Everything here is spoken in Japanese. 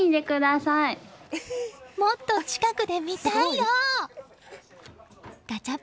もっと近くで見たいよ。